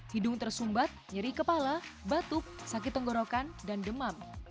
hidung tersumbat nyeri kepala batuk sakit tenggorokan dan demam